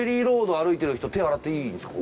歩いてる人手洗っていいんですか？